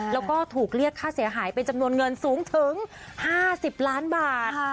แล้วก็ถูกเรียกค่าเสียหายเป็นจำนวนเงินสูงถึง๕๐ล้านบาท